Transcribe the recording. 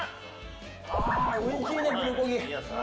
おいしいね、プルコギ。